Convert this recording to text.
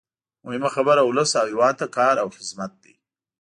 مهمه خبره ولس او هېواد ته کار او خدمت دی.